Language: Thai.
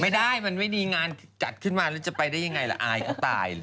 ไม่ได้มันไม่ดีงานจัดขึ้นมาแล้วจะไปได้ยังไงล่ะอายก็ตายเลย